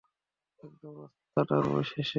একদম রাস্তাটার শেষে।